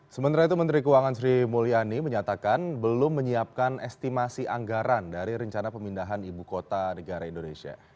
sementara itu menteri keuangan sri mulyani menyatakan belum menyiapkan estimasi anggaran dari rencana pemindahan ibu kota negara indonesia